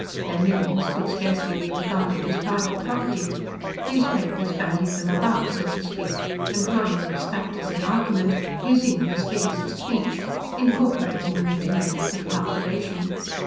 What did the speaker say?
Their millions could scarcely be regarded as private property. Newspapers bandied them about, so to speak, employing them as factors in argument, using them as figures of speech, incorporating them into methods of calculation.